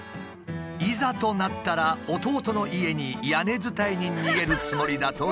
いざとなったら弟の家に屋根伝いに逃げるつもりだという。